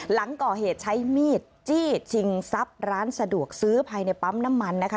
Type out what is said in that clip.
หลังก่อเหตุใช้มีดจี้ชิงทรัพย์ร้านสะดวกซื้อภายในปั๊มน้ำมันนะคะ